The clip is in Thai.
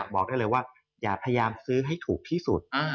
บอกได้เลยว่าอย่าพยายามซื้อให้ถูกที่สุด